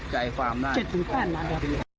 เจ็ดถึง๘นัด